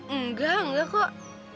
enggak enggak kok